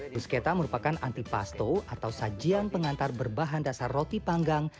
bruschetta merupakan antipasto atau sajian pengantar berbahan dasar roti panggang